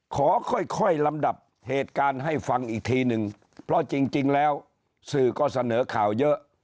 ขอค่อยลำดับเหตุการณ์ให้ฟังอีกทีนึงเพราะจริงแล้วสื่อก็เสนอข่าวเยอะ